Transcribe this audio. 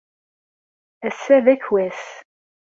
Ass-a d akwas.